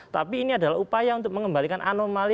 tapi ini adalah upaya untuk mengembalikan anomali